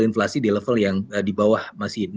inflasi di level yang di bawah masih